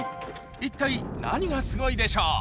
一体何がすごいでしょう？